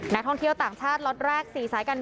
นักท่องเที่ยวต่างชาติล็อตแรก๔สายการบิน